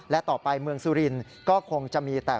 และต่อไปเมืองสุรินทร์ก็คงจะมีแต่